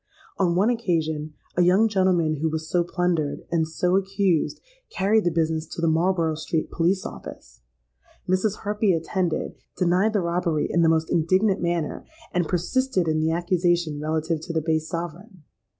On one occasion, a young gentleman who was so plundered, and so accused, carried the business to the Marlborough Street Police Office. Mrs. Harpy attended, denied the robbery in the most indignant manner, and persisted in the accusation relative to the base sovereign.